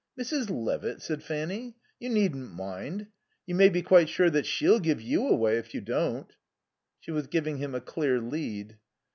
"Mrs. Levitt?" said Fanny. "You needn't mind. You may be quite sure that she'll give you away if you don't." She was giving him a clear lead.